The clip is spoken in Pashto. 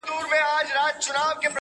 • ته پیسې کټه خو دا فکرونه مکړه..